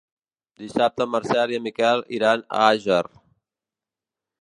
Dissabte en Marcel i en Miquel iran a Àger.